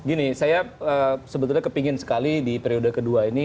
gini saya sebetulnya kepingin sekali di periode kedua ini